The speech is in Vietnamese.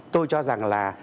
tôi cho rằng là